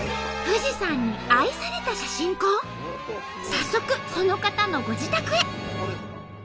早速その方のご自宅へ。